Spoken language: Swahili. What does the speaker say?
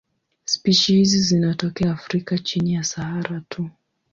Spishi hizi zinatokea Afrika chini ya Sahara tu.